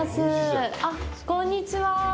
あっ、こんにちは。